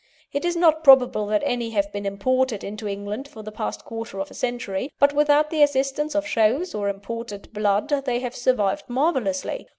It is not probable that any have been imported into England for the past quarter of a century, but without the assistance of shows or imported blood they have survived marvellously.